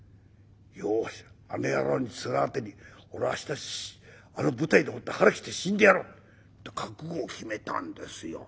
よしあの野郎に面当てに俺は明日あの舞台でもって腹切って死んでやろう」。って覚悟を決めたんですよ。